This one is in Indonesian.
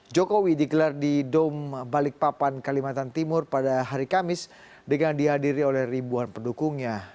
jokowi digelar di dom balikpapan kalimantan timur pada hari kamis dengan dihadiri oleh ribuan pendukungnya